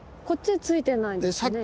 こっちついてないですね。